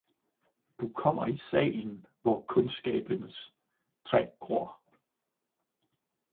Du kommer i salen, hvor Kundskabens træ gror.